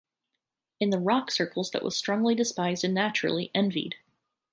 In the "rock circles" that was strongly despised and naturally, envied.